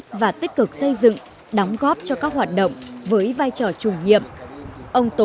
trong công việc chung